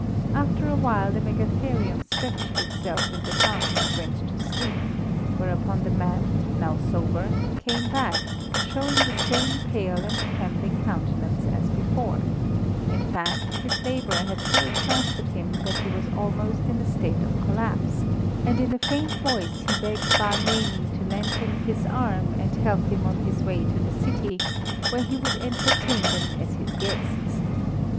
After a while, the megatherium stretched itself in the grass and went to sleep, whereupon the man, now sober, came back, showing the same pale and trembling countenance as before in fact, his labour had so exhausted him that he was almost in a state of collapse, and in a faint voice he begged Bar Noemi to lend him his arm and help him on his way to the city where he would entertain them as his guests.